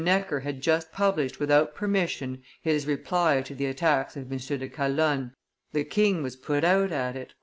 Necker had just published without permission his reply to the attacks of M. de Calonne the king was put out at it.